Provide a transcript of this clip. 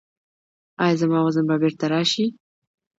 ایا زما وزن به بیرته راشي؟